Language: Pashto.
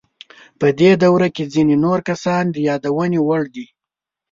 په دې دوره کې ځینې نور کسان د یادونې وړ دي.